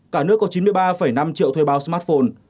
cả nước có chín mươi ba năm triệu thuê bao smartphone